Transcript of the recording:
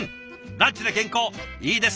ランチで健康いいですね。